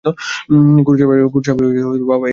খুড়াসাহেবে আসিয়া কহিলেন, বাহবা, এই তো ব্রাহ্মণ বটে।